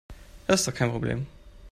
Das ist doch kein Problem.